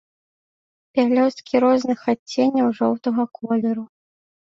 Пялёсткі розных адценняў жоўтага колеру.